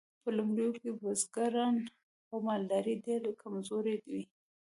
په لومړیو کې بزګري او مالداري ډیرې کمزورې وې.